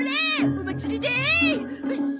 お祭りでい！